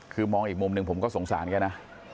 คือมองอีกมุมหนึ่งผมก็สงสารแกนะ